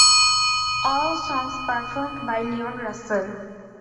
All songs performed by Leon Russell.